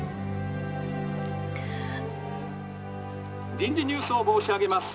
「臨時ニュースを申し上げます。